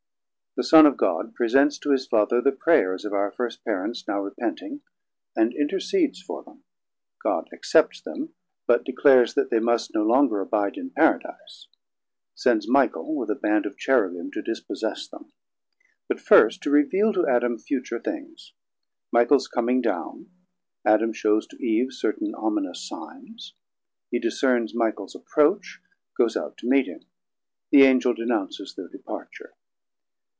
The Son of God presents to his Father the Prayers of our first Parents now repenting, and intercedes for them: God accepts them, but declares that they must no longer abide in Paradise; sends Michael with a Band of Cherubim to dispossess them; but first to reveal to Adam future things: Michaels coming down, Adam shews to Eve certain ominous signs; he discerns Michaels approach, goes out to meet him: the Angel denounces thir departure.